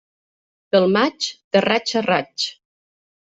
Pel maig, de raig a raig.